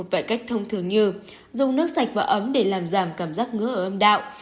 cải cách thông thường như dùng nước sạch và ấm để làm giảm cảm giác ngứa ở âm đạo